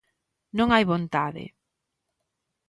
Non hai vontade.